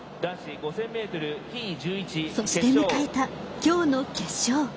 そして迎えたきょうの決勝。